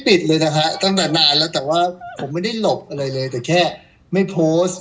ติดเลยนะฮะตั้งแต่นานแล้วแต่ว่าผมไม่ได้หลบอะไรเลยแต่แค่ไม่โพสต์